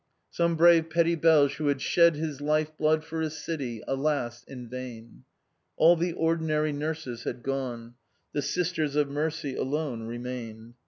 Some brave petit Belge, who had shed his life blood for his city, alas, in vain! All the ordinary nurses had gone. The Sisters of Mercy alone remained.